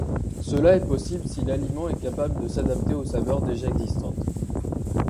Cela est possible si l'aliment est capable de s'adapter aux saveurs déjà existantes.